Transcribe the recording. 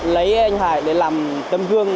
lấy anh hải để làm tâm vương